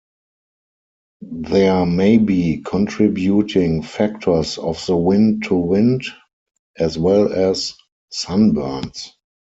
There may be contributing factors of the wind to wind, as well as, sunburns.